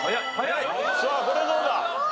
さあこれどうだ？